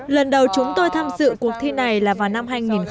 lần đầu chúng tôi tham dự cuộc thi này là vào năm hai nghìn một mươi